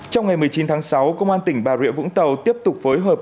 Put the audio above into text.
trong ngày một mươi chín tháng sáu công an tỉnh bà rịa vũng tàu tiếp tục phối hợp